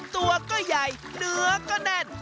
ตัวก็ใหญ่เนื้อก็แน่น